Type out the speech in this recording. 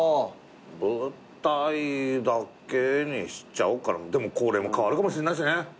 舞台だけにしちゃおうかなでもこれも変わるかもしんないしね。